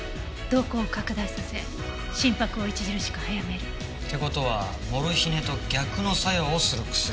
瞳孔を拡大させ心拍を著しく早める。って事はモルヒネと逆の作用をする薬。